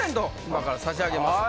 今から差し上げます。